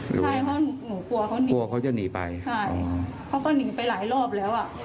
ใช่เพราะหนูกลัวเขาหนีไปใช่เขาก็หนีไปหลายรอบแล้ว